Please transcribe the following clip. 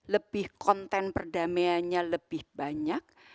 lebih konten perdamaiannya lebih banyak